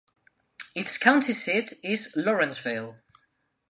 Its county seat is Lawrenceville.